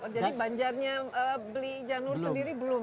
jadi banjarnya beli janur sendiri belum